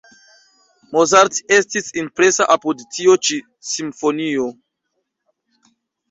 Mozart estis impresa apud tio ĉi simfonio.